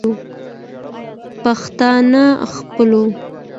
پښتانه خپلو